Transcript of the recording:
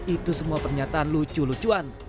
itu semua pernyataan lucu lucuan